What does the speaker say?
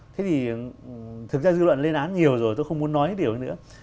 thế thì thực ra dư luận lên án nhiều rồi tôi không muốn nói điều nữa